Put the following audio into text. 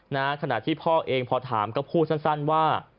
ขณะที่พ่อเองพอถามก็พูดสั้นว่า